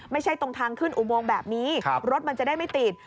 ไม่ใช่ตรงทางขึ้นอุโมงแบบนี้รถมันจะได้ไม่ติด